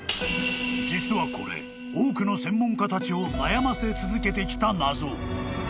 ［実はこれ多くの専門家たちを悩ませ続けてきた謎］